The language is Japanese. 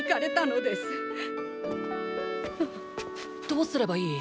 どうすればいい？